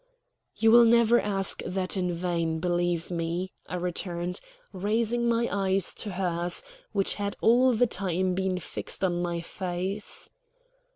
"You will never ask that in vain, believe me," I returned, raising my eyes to hers, which had all the time been fixed on my face.